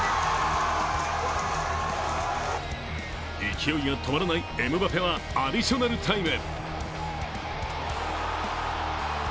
勢いが止まらないエムバペはアディショナルタイム。